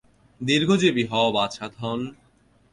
দীর্ঘজীবী হ, বাছাধন।